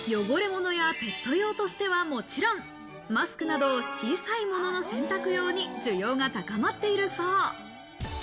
汚れ物やペット用としてはもちろんマスクなど、小さいものの洗濯用に需要が高まっているそう。